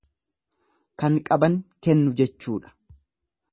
Kan qaban kennu jechuudha.